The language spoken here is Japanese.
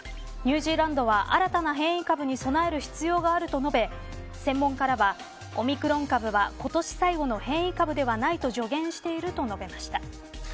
ニュージーランドは新たな変異株に備える必要があると述べ専門家らは、オミクロン株は今年最後の変異株ではないと助言していると述べました。